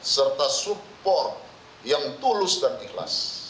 serta support yang tulus dan ikhlas